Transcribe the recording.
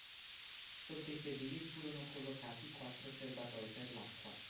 Sotto i sedili furono collocati quattro serbatoi per l'acqua.